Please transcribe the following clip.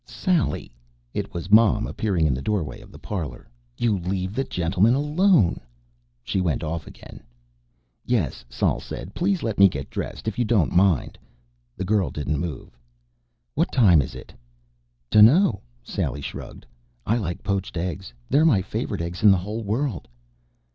"Sally!" It was Mom, appearing in the doorway of the parlor. "You leave the gentleman alone." She went off again. "Yes," Sol said. "Please let me get dressed. If you don't mind." The girl didn't move. "What time is it?" "Dunno," Sally shrugged. "I like poached eggs. They're my favorite eggs in the whole world."